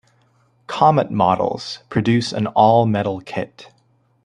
Comet Models produce an all-metal kit.